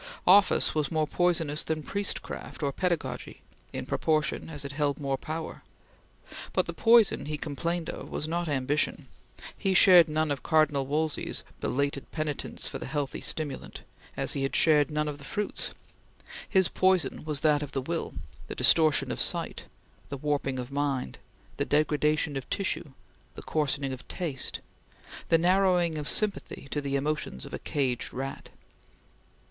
Office was more poisonous than priestcraft or pedagogy in proportion as it held more power; but the poison he complained of was not ambition; he shared none of Cardinal Wolsey's belated penitence for that healthy stimulant, as he had shared none of the fruits; his poison was that of the will the distortion of sight the warping of mind the degradation of tissue the coarsening of taste the narrowing of sympathy to the emotions of a caged rat.